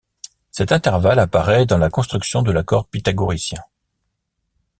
Cet intervalle apparaît dans la construction de l'accord pythagoricien.